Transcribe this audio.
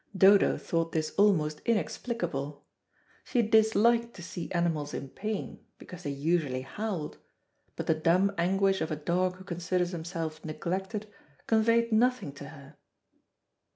Dodo thought this almost inexplicable. She disliked to see animals in pain, because they usually howled, but the dumb anguish of a dog who considers himself neglected conveyed nothing to her.